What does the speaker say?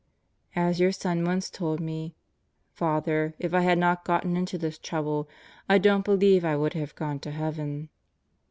As your son once told me: "Father, if I had not gotten into this trouble, I don't believe I would have gone to heaven."